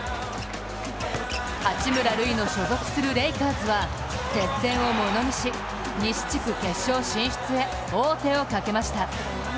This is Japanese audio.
八村塁の所属するレイカーズは接戦をものにし西地区決勝進出へ王手をかけました。